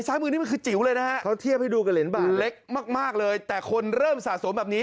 ซ้ายมือนี่มันคือจิ๋วเลยนะฮะเล็กมากเลยแต่คนเริ่มสะสมแบบนี้